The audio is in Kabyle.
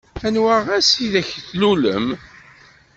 Anwa ass ideg tlulem?